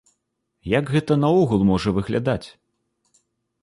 Як гэта наогул можа выглядаць?